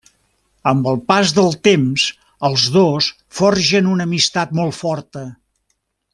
Amb el pas del temps els dos forgen una amistat molt forta.